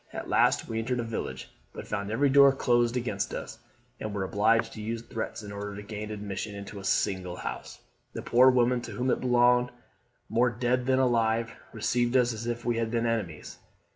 At last we entered a village, but found every door closed against us, and were obliged to use threats in order to gain admission into a single house. The poor woman to whom it belonged, more dead than alive, received us as if we had been enemies.